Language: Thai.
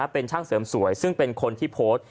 เป็นช่างเสริมสวยซึ่งเป็นคนที่โพสต์